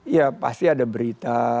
ya pasti ada berita